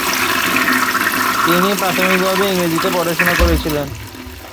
তিনি প্রাথমিকভাবে ইংরেজিতে পড়াশোনা করেছিলেন।